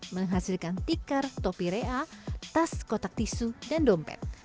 menghasilkan tikar topi rea tas kotak tisu dan dompet